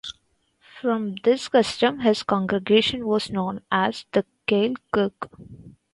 From this custom his congregation was known as 'the kail kirk'.